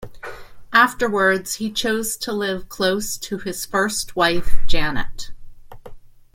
Afterwards he chose to live close to his first wife Janet.